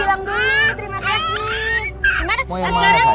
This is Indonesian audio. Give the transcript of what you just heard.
askara bilang dulu terima kasih